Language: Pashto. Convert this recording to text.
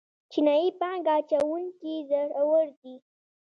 چینايي پانګه اچوونکي زړور دي.